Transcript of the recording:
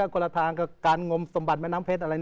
คนละทางกับการงมสมบัติแม่น้ำเพชรอะไร